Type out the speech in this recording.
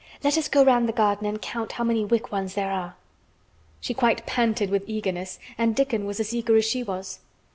Let us go round the garden and count how many wick ones there are." She quite panted with eagerness, and Dickon was as eager as she was.